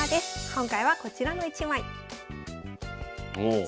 今回はこちらの一枚。